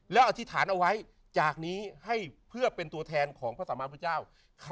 แล้วอธิษฐานเอาไว้จากนี้ให้เพื่อเป็นตัวแทนของพระสัมมาพุทธเจ้า